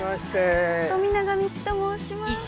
富永美樹と申します。